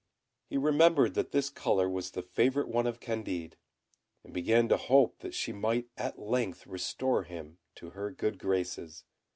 He remembered that this colour was the favourite one of Candid, and began to hope that she might at length restore him to her good graces.